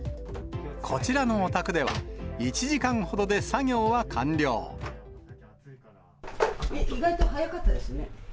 こちらのお宅では、１時間ほどで意外と早かったですね。